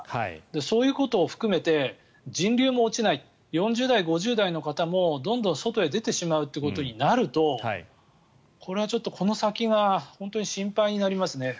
そういうことも含めて人流も落ちない４０代、５０代の方もどんどん外へ出てしまうということになるとこれはちょっとこの先が心配になりますね。